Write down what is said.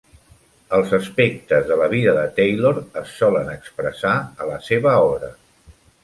Els aspectes de la vida de Taylor es solen expressar a la seva obra.